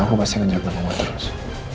aku pasti akan jaga mama terus